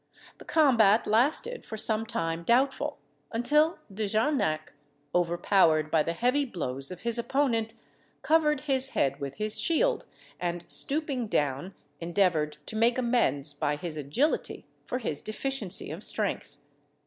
The combat lasted for some time doubtful, until De Jarnac, overpowered by the heavy blows of his opponent, covered his head with his shield, and, stooping down, endeavoured to make amends by his agility for his deficiency of strength.